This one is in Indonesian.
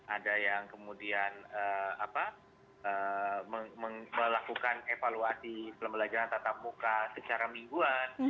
ada yang kemudian melakukan evaluasi pembelajaran tatap muka secara mingguan